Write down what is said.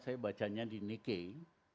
saya bacanya di nikkei